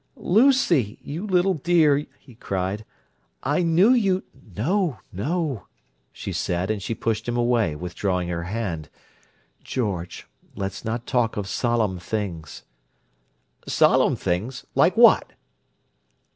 "Lucy, you little dear!" he cried. "I knew you—" "No, no!" she said, and she pushed him away, withdrawing her hand. "George, let's not talk of solemn things." "'Solemn things!' Like what?"